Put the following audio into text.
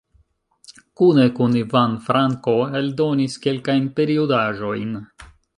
Kune kun Ivan Franko eldonis kelkajn periodaĵojn.